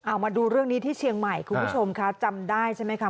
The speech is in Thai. เอามาดูเรื่องนี้ที่เชียงใหม่คุณผู้ชมค่ะจำได้ใช่ไหมคะ